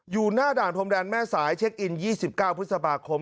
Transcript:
อยู่หน้าด่านพรมแดนแม่สายเช็คอิน๒๙พฤษภาคม